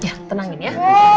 ya tenangin ya